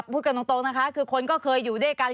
พูดกันตรงนะคะคือคนก็เคยอยู่ด้วยกัน